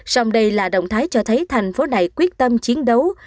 sông đầy là động thái cho thấy thành phố này quyết tâm chiến đấu